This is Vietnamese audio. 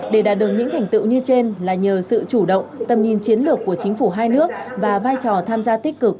để đạt được những thành tựu như trên là nhờ sự chủ động tầm nhìn chiến lược của chính phủ hai nước và vai trò tham gia tích cực